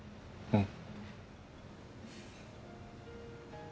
うん。